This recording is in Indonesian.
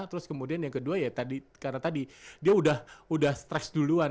terus kemudian yang kedua ya tadi karena tadi dia udah stress duluan